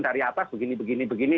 dari atas begini begini begini